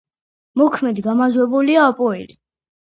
მოქმედი გამარჯვებულია „აპოელი“.